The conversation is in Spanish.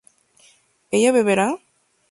¿ella beberá?